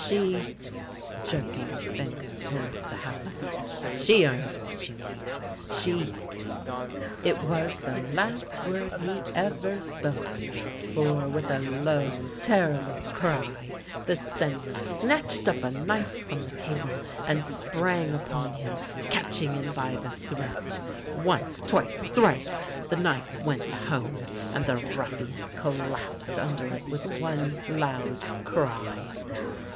She "— jerking a linger towards the house —" she earns what you eat, she " It was the last word he ever spoke, for, with a low, terrible cry, the Seigneur snatched up a knife from the table and sprang upon him, catching him by the throat. Once, twice, thrice the knife went home, and the ruffian collapsed under it with one loud cry.